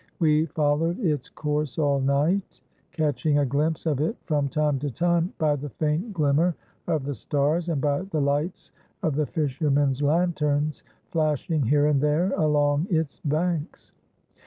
We followed its course all night, catching a glimpse of it from time to time by the faint glimmer of the stars, and by the lights of the fishermen's lanterns flashing here and there along its banks.